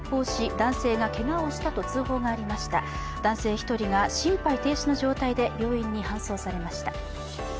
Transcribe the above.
男性１人が心肺停止の状態で病院に搬送されました。